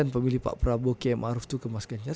pemilih pak prabowo km arof itu ke mas ganjar